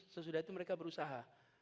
sesudah itu mereka berusaha